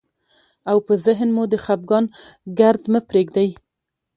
او په ذهن مو د خفګان ګرد مه پرېږدئ،